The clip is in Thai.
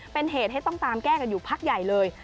เป็นเหตุให้ต้องตามแก้กันอยู่พักใหญ่เลย